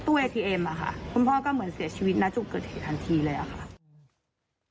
คุณพ่อก็เหมือนเสียชีวิตน่าจะเกิดเหตุการณ์ทันทีเลยอะค่ะ